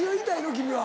君は。